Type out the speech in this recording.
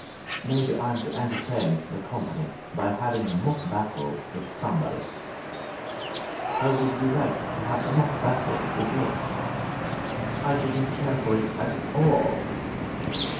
"Maybe I'm to entertain the company by having a mock battle with somebody. How would you like to have a mock battle with me?" "I shouldn't care for it at all!"